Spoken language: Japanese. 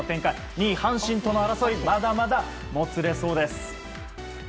２位、阪神との争いまだまだもつれそうです。